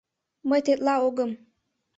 — Мый тетла огым.